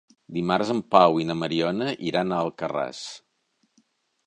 Dimarts en Pau i na Mariona iran a Alcarràs.